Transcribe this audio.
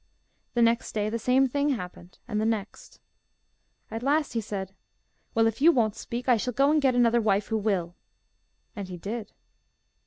The next day the same thing happened, and the next. At last he said, 'Well, if you won't speak, I shall go and get another wife who will.' And he did.